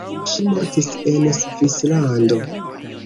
Ŝi mortis en Svislando.